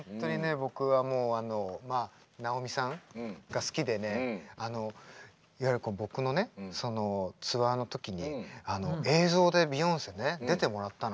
僕はもう直美さんが好きでねいわゆる僕のねそのツアーの時に映像でビヨンセね出てもらったの。